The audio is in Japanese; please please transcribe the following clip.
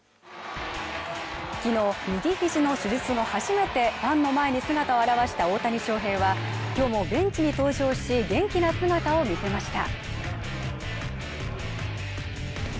昨日、右肘の手術ののちファンの前に姿を現した大谷翔平は今日もベンチに登場をし元気な姿を見せました。